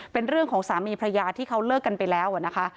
เป็นเรื่องของสามีพระยาที่เขาเลิกกันไปแล้วนะคะ